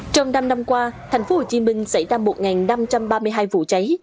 trong năm năm qua tp hcm xảy ra một năm trăm ba mươi hai vụ cháy